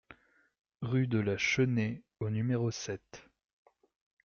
Rue de la Chenée au numéro sept